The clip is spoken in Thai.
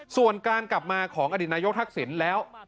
ท่านกลับมาของอดินานยกทักษินแล้ว